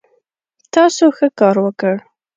تاسو ښه کار وکړ